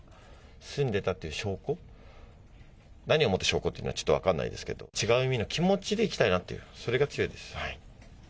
住んでたっていう証拠、何をもって証拠っていうのかは、ちょっと分からないですけど、違う意味の気持ちでいきたいなと、それが強いです。